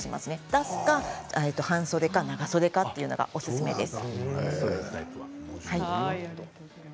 出すか長袖かというのがおすすめです。